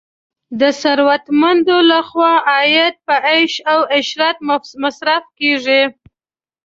د ثروتمندو لخوا عاید په عیش او عشرت مصرف کیږي.